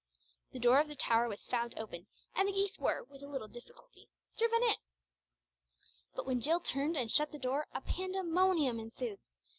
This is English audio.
The door of the tower was found open, and the geese were with a little difficulty driven in. But when Jill turned and shut the door a pandemonium ensued.